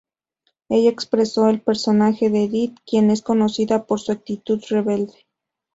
Ella expresó el personaje de Edith, quien es conocida por su actitud rebelde.